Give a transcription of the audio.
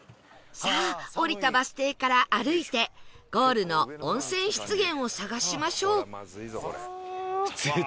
さあ降りたバス停から歩いてゴールの温泉湿原を探しましょう